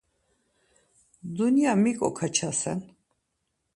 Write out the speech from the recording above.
Dunya mik okaçasen?